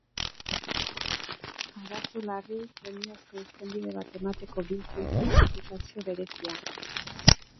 Arazo larriei premiazko irtenbide bat emateko biltzen zen Diputazio Berezia.